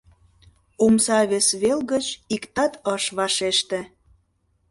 Омса вес вел гыч иктат ыш вашеште.